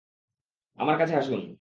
আমার কাছে আসুন।